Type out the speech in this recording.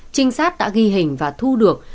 trinh sát đã ghi hình và thu được